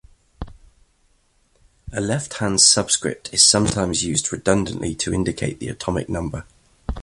A left-hand subscript is sometimes used redundantly to indicate the atomic number.